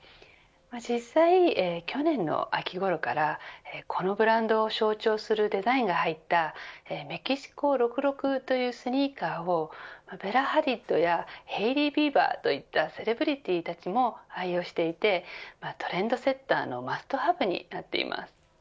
実際、去年の秋ごろからこのブランドを象徴するデザインが入ったＭｅｘｉｃｏ６６というスニーカーをベラ・ハディッドやヘイリー・ビーバーといったセレブリティたちも愛用していてトレンドセッターのマストハブになっています。